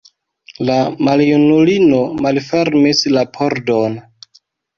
La maljunulino malfermis la pordon.